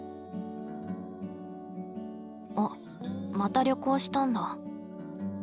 おっまた旅行したんだ。